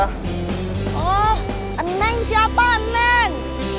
oh neng siapa neng